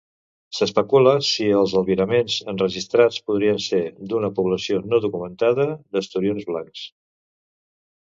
S"especula si els albiraments enregistrats podrien ser d"una població no documentada d"esturions blancs.